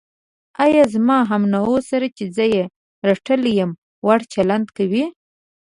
ایا زما همنوعو سره چې زه یې رټلی یم، وړ چلند کوې.